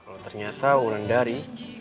kalau ternyata wulan dari